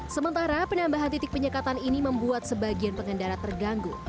sementara penambahan titik penyekatan ini membuat sebagian pengendara terganggu